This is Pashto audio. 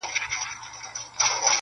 ډېر ناوخته به دوی پوه سوې چي څه چل دی -